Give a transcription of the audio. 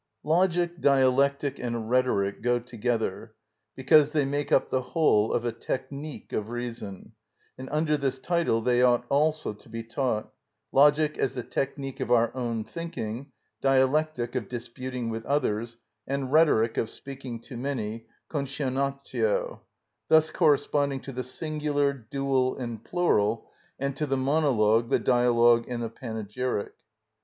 Logic, Dialectic, and Rhetoric go together, because they make up the whole of a technic of reason, and under this title they ought also to be taught—Logic as the technic of our own thinking, Dialectic of disputing with others, and Rhetoric of speaking to many (concionatio); thus corresponding to the singular, dual, and plural, and to the monologue, the dialogue, and the panegyric.